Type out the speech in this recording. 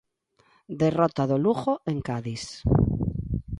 Derrota do Lugo en Cádiz.